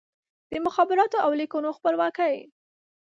د مخابراتو او لیکونو خپلواکي